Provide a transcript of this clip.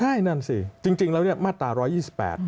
ใช่นั่นสิจริงแล้วเนี่ยมาตรา๑๒๘